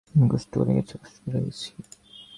আমি কষ্ট করেই গেছি, করেই গেছি, করে গেছি।